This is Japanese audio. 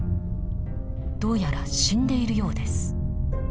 どうやら死んでいるようです。